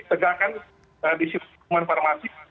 tegakkan disitu teman farmasi